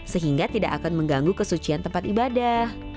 sehingga tidak akan mengganggu kesucian tempat ibadah